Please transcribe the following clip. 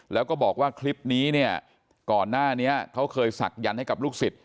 แล้วก็บอกว่าคลิปนี้เนี่ยก่อนหน้านี้เขาเคยศักยันต์ให้กับลูกศิษย